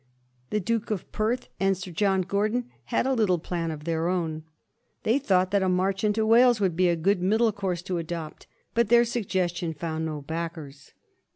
The Duke of Perth and Sir John Gordon had a little plan of their own. They thought that a inarch into Wales would be a good middle course to adopt, but their suggestion found no backers.